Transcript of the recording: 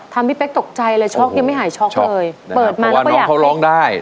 พี่เป๊กตกใจเลยช็อกยังไม่หายช็อกเลยเปิดมาวันน้องเขาร้องได้